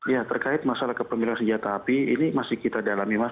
ya terkait masalah kepemilikan senjata api ini masih kita dalami mas